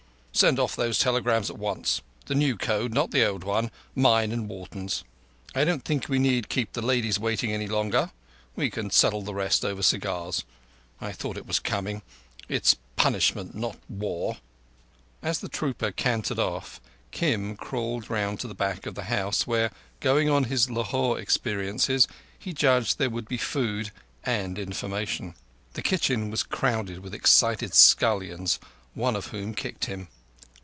Send off those telegrams at once—the new code, not the old—mine and Wharton's. I don't think we need keep the ladies waiting any longer. We can settle the rest over the cigars. I thought it was coming. It's punishment—not war." As the trooper cantered off, Kim crawled round to the back of the house, where, going on his Lahore experiences, he judged there would be food—and information. The kitchen was crowded with excited scullions, one of whom kicked him.